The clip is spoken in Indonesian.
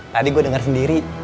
tadi gue denger sendiri